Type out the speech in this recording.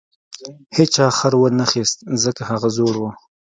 هیچا خر ونه خیست ځکه هغه زوړ و.